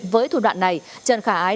với thủ đoạn này trần khả ái